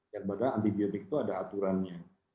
walaupun antibiotik itu ada aturannya